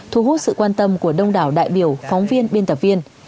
thu hút sự quan tâm của đông đảo đại biểu phóng viên biên tập viên